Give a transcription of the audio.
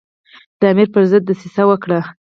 د امیر پر ضد دسیسه وکړي.